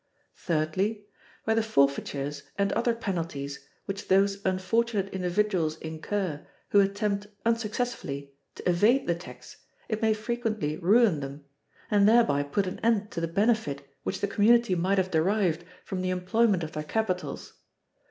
"Thirdly, by the forfeitures and other penalties which those unfortunate individuals incur who attempt unsuccessfully to evade the tax it may frequently ruin them, and thereby put an end to the benefit which the community might have derived from the employment of their capitals.